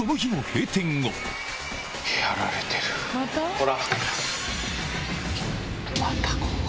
ほら。